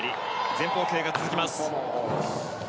前方形が続きます。